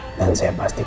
keadaan yang lebih baik